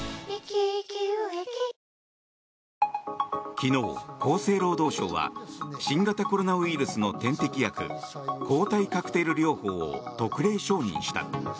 昨日、厚生労働省は新型コロナウイルスの点滴薬抗体カクテル療法を特例承認した。